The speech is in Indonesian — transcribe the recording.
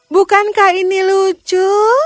bukankah ini lucu